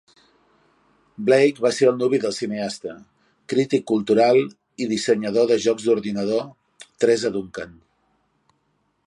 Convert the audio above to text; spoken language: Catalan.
Blake va ser el nuvi del cineasta, crític cultural i dissenyador de jocs d'ordinador Theresa Duncan.